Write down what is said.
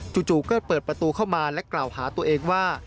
จู่ก็เปิดประตูเข้ามาและกล่าวหาตัวเองว่า